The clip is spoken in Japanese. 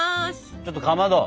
ちょっとかまど。は？